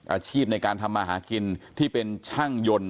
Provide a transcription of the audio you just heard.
อาชีพในการทำมาหากินที่เป็นช่างยนต์